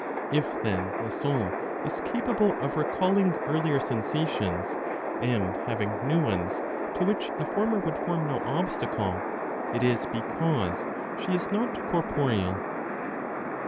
If then the soul is capable of recalling earlier sensations, and having new ones, to which the former would form no obstacle, it is because she is not corporeal.